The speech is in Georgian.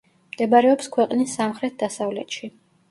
მდებარეობს ქვეყნის სამხრეთ-დასავლეთში.